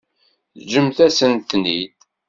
Ǧǧemt-asen-ten-id.